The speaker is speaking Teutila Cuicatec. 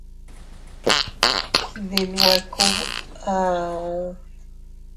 Ndi nwe kub auu.